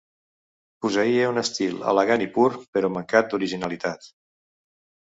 Posseïa un estil elegant i pur però mancat d'originalitat.